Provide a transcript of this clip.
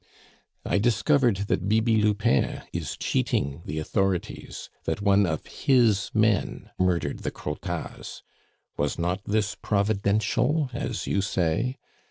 "I discovered that Bibi Lupin is cheating the authorities, that one of his men murdered the Crottats. Was not this providential, as you say?